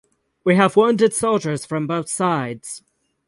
We have wounded soldiers from both sides.